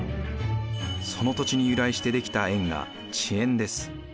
その土地に由来して出来た縁が地縁です。